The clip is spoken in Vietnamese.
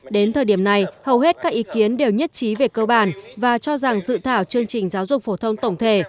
đến thời điểm này hầu hết các ý kiến đều nhất trí về cơ bản và cho rằng dự thảo chương trình giáo dục phổ thông tổng thể